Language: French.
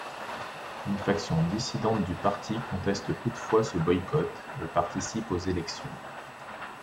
Une faction dissidente du parti conteste toutefois ce boycott et participe aux élections.